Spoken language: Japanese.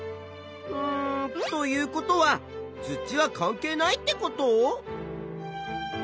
うんということは土は関係ないってこと？